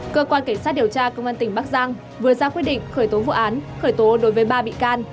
cơ quan cảnh sát điều tra công an tỉnh bắc giang vừa ra quyết định khởi tố vụ án khởi tố đối với ba bị can